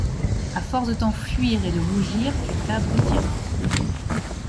À force de t’enfuir et de rougir, tu t’abrutiras.